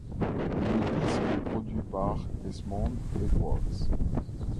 Le disque est produit par Esmond Edwards.